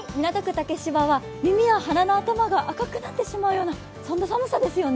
竹芝は耳や鼻の頭が赤くなってしまうような寒さですよね。